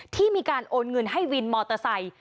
ที่มีการโอนเงินให้วินมอเตอร์ไซค์